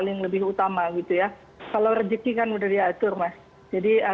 tetap bersama kami di cnn usia